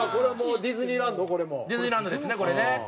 ディズニーランドですねこれね。